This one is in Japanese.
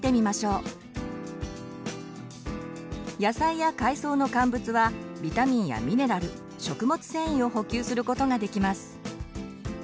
野菜や海藻の乾物はビタミンやミネラル食物繊維を補給することができます。